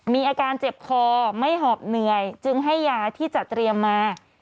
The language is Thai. มีอาการเจ็บคอไม่หอบเหนื่อยจึงให้ยาที่จะเตรียมมา